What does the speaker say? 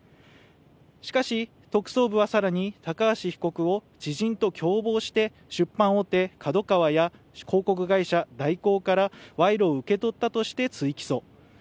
しかし、特捜部は更に高橋被告を知人と共謀して出版大手ＫＡＤＯＫＡＷＡや広告会社・大広から賄賂を受け取ったとして追起訴。